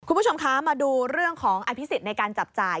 คุณผู้ชมคะมาดูเรื่องของอภิษฎในการจับจ่าย